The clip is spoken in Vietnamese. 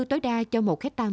tối đa cho một hectare